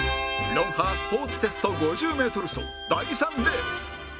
『ロンハー』スポーツテスト５０メートル走第３レース